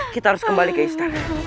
kita harus kembali ke istana